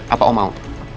apa om mau